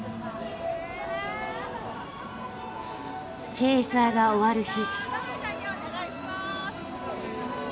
チェーサーが終わる日。